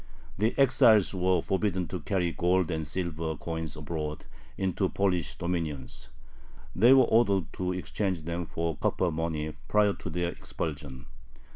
The exiles were forbidden to carry gold and silver coins abroad, into the Polish dominions. They were ordered to exchange them for copper money prior to their expulsion.